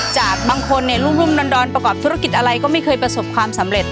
จากบางคนรุ่มดอนประกอบธุรกิจอะไรก็ไม่เคยประสบความสำเร็จ